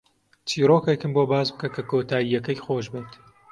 چیرۆکێکم بۆ باس بکە کە کۆتایییەکەی خۆش بێت.